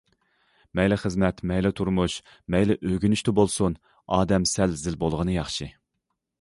مەيلى خىزمەت، مەيلى تۇرمۇش، مەيلى ئۆگىنىشتە بولسۇن، ئادەم سەل زىل بولغىنى ياخشى.